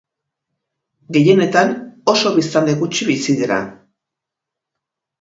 Gehienetan oso biztanle gutxi bizi dira.